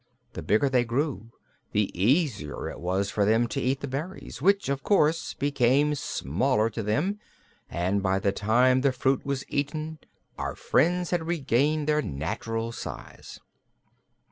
The bigger they grew the easier it was for them to eat the berries, which of course became smaller to them, and by the time the fruit was eaten our friends had regained their natural size.